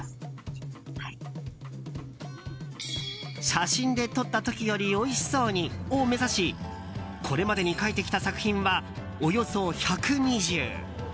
写真で撮った時よりおいしそうにを目指しこれまでに描いてきた作品はおよそ１２０。